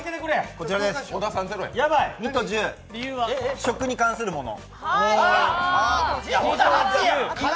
こちらです、２と１０、食に関するもの。